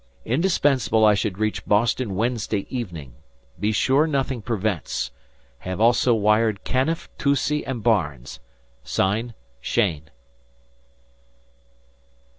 Indispensable I should reach Boston Wednesday evening. Be sure nothing prevents. Have also wired Canniff, Toucey, and Barnes._ Sign, Cheyne."